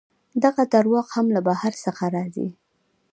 دغه درواغ هم له بهر څخه راځي.